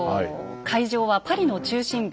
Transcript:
会場はパリの中心部